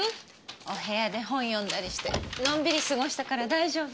お部屋で本読んだりしてのんびり過ごしたから大丈夫。